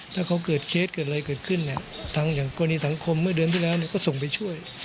ถ้าเขาเกิดเคสเกิดอะไรเกิดขึ้นเนี่ยทางอย่างกรณีสังคมเมื่อเดือนที่แล้วก็ส่งไปช่วย